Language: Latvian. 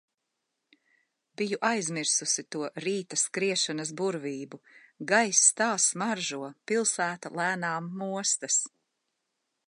Biju aizmirsusi to rīta skriešanas burvību. Gaiss tā smaržo, pilsēta lēnām mostas.